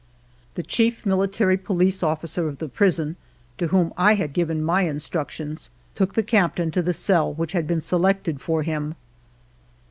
The chief military police officer of the prison, to whom I had given my instructions, took the Captain to the cell which had been selected for him.